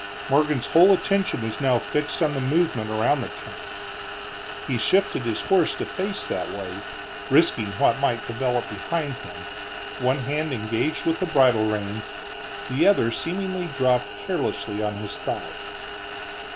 Morgan's whole attention was now fixed on the movement around the train. He shifted his horse to face that way, risking what might develop behind him, one hand engaged with the bridle rein, the other seemingly dropped carelessly on his thigh.